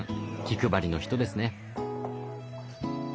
気配りの人ですね。